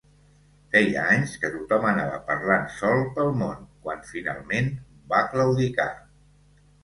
Feia anys que tothom anava parlant sol pel món quan, finalment, va claudicar.